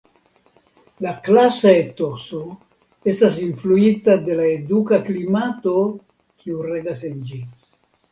La klasa etoso estas influita de la eduka klimato kiu regas en ĝi.